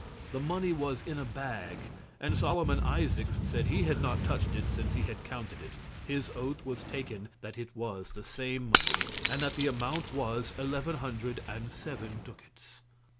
The money was in a bag, and Solomon Isaacs said he had not touched it since he had counted it; his oath was taken that it was the same money, and that the amount was eleven hundred and seven ducats.